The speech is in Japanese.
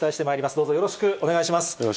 どうぞよろよろしくお願いします。